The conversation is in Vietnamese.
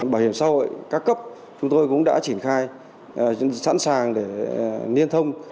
bảo hiểm xã hội các cấp chúng tôi cũng đã triển khai sẵn sàng để liên thông